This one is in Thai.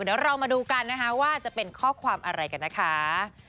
เดี๋ยวเรามาดูกันนะคะว่าจะเป็นข้อความอะไรกันนะคะ